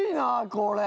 これ。